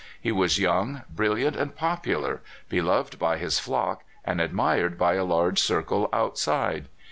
He was 3'oung, briUiant, and popular — beloved by his flock, and admired by a large circle outside.